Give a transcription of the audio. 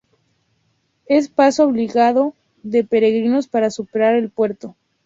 Es paso obligado de peregrinos para superar el puerto.